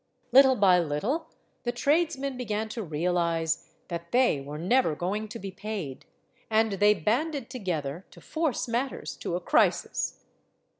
Little by little, the tradesmen began to realize that 226 STORIES OF THE SUPER WOMEN they were never going to be paid, and they banded together to force matters to a crisis.